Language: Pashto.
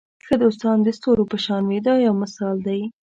ښه دوستان د ستورو په شان وي دا یو مثال دی.